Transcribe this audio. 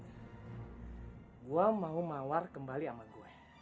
gua mau mawar kembali sama gue